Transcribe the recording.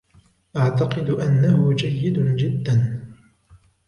أعتقد أنه جيد جدا.